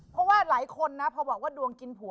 เพราะว่าหลายคนนะพอบอกว่าดวงกินผัว